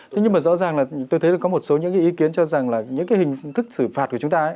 thế nhưng mà rõ ràng là tôi thấy có một số những cái ý kiến cho rằng là những cái hình thức xử phạt của chúng ta ấy